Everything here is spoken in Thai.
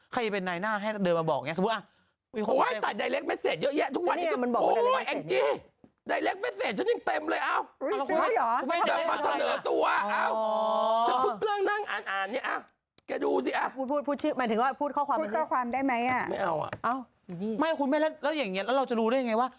เขาไม่ได้มาเสนอตัวเลี้ยงฉันนะ